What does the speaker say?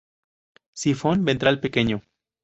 Sifón ventral pequeño.